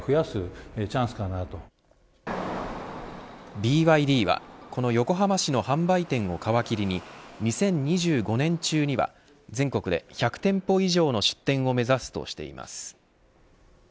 ＢＹＤはこの横浜市の販売店を皮切りに２０２５年中には全国で１００店舗以上の出店を目指すとしています。